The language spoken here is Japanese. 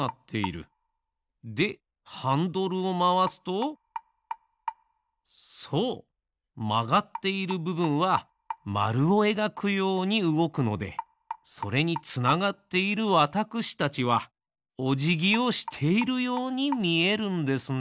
でハンドルをまわすとそうまがっているぶぶんはまるをえがくようにうごくのでそれにつながっているわたくしたちはおじぎをしているようにみえるんですね。